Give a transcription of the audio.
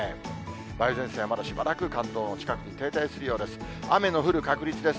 梅雨前線はまだしばらく関東の近くに停滞するようです。